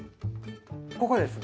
ここです。